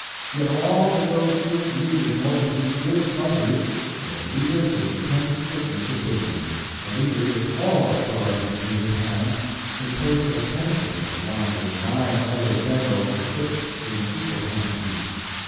Yet all that those troops needed in order to be good fighters was a leader who would attend strictly to business—a leader with all authority in his hands in place of a tenth of it along with nine other generals equipped with an equal tenth apiece.